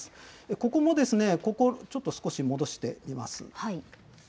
ここも、ちょっと少し戻してみます。